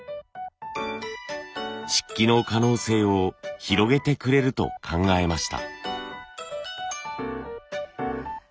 漆器の可能性を広げてくれると考えました。